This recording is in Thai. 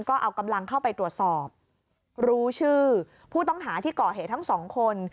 ก็เอากำลังเข้าไปตรวจสอบรู้ชื่อผู้ต้องหาที่ก่อเหตุทั้งสองคน